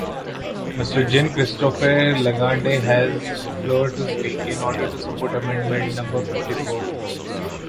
Mister Jean-Christophe Lagarde has the floor to speak, in order to support amendment number fifty-four.